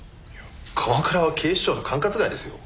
鎌倉は警視庁の管轄外ですよ。